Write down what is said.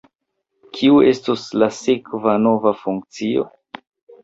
Kiu estos la sekva nova funkcio?